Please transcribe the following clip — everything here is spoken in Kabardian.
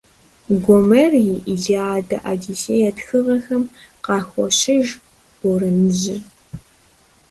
Гомер и «Илиада», «Одиссея» тхыгъэхэм къахощыж борэныжьыр.